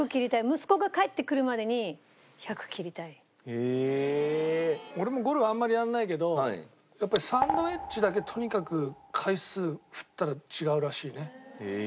息子が帰ってくるまでに俺もうゴルフあんまりやらないけどやっぱりサンドウェッジだけとにかく回数振ったら違うらしいね。